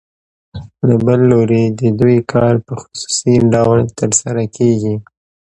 له بل لوري د دوی کار په خصوصي ډول ترسره کېږي